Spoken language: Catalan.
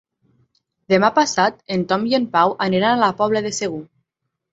Demà passat en Tom i en Pau aniran a la Pobla de Segur.